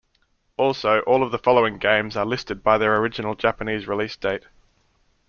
Also, all of the following games are listed by their original Japanese release date.